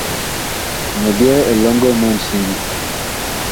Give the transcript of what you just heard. Mi byɛɛ elɔŋgɔ mɔɔn siŋgi.